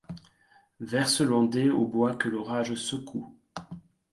Verse l'ondée aux bois que l'orage secoue